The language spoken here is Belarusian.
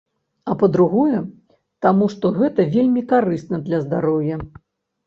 А па-другое, таму што гэта вельмі карысна для здароўя!